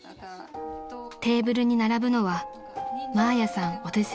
［テーブルに並ぶのはマーヤさんお手製